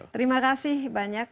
terima kasih banyak